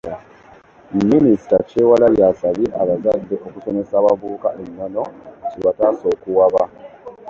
Minisita Kyewalabye asabye abazadde okusomesa abavubuka ennono kibataase okuwaba.